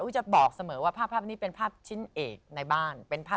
จะบอกเสมอว่าภาพนี้เป็นภาพชิ้นเอกในบ้าน